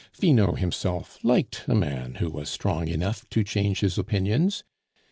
Finot himself liked a man who was strong enough to change his opinions.